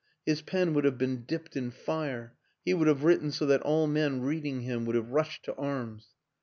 His pen would have been dipped in fire; he would have written so that all men reading him would have rushed to arms.